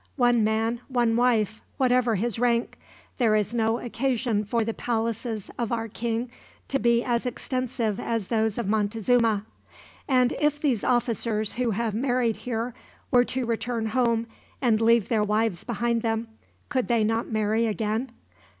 "One man one wife, whatever his rank. There is no occasion for the palaces of our king to be as extensive as those of Montezuma." "And if these officers who have married here were to return home, and leave their wives behind them, could they not marry again?"